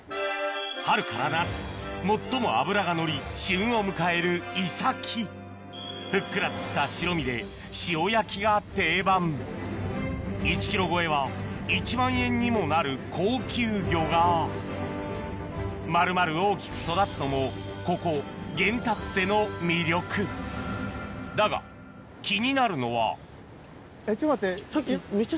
春から夏最も脂がのり旬を迎えるイサキふっくらとした白身で塩焼きが定番にもなる高級魚が丸々大きく育つのもここ玄達瀬の魅力だが気になるのはちょっと待ってさっき。